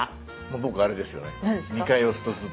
僕あれですよね。